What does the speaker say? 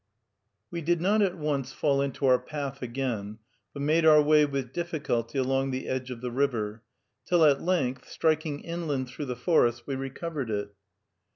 We did not at once fall into our path again, but made our way with difficulty along the edge of the river, till at length, striking inland through the forest, we recovered it.